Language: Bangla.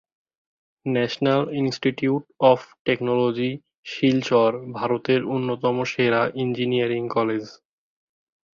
National Institute of Technology, Silchar, ভারতের অন্যতম সেরা ইঞ্জিনিয়ারিং কলেজ।